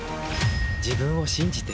自分を信じて。